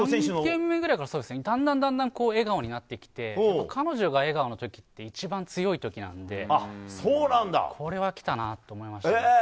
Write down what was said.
だんだん、笑顔になってきて彼女が笑顔の時って一番強い時なのでこれは、きたなと思いましたね。